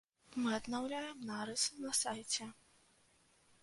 Мы аднаўляем нарыс на сайце.